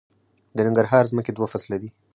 د ننګرهار ځمکې دوه فصله دي